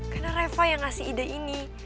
karena reva yang ngasih ide ini